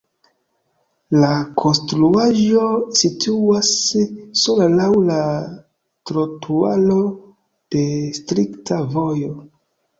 La konstruaĵo situas sola laŭ la trotuaro de strikta vojo.